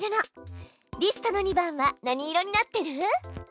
リストの２番は何色になってる？